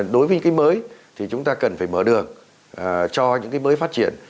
đối với cái mới thì chúng ta cần phải mở đường cho những cái mới phát triển